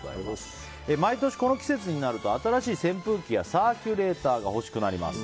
毎年この季節になると新しい扇風機やサーキュレーターが欲しくなります。